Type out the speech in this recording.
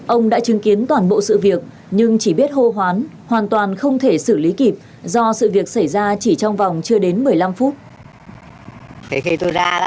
ông đã chứng kiến toàn bộ sự việc nhưng chỉ biết hô hoán hoàn toàn không thể xử lý kịp do sự việc xảy ra chỉ trong vòng chưa đến một mươi năm phút